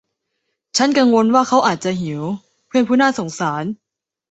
ฉันกังวลว่าเขาอาจจะหิว เพื่อนผู้น่าสงสาร